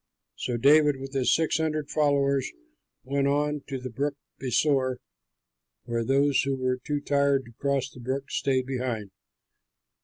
So David with his six hundred followers went on to the Brook Besor, where those who were too tired to cross the brook stayed behind.